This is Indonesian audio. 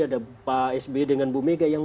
ada pak sby dengan bu mega yang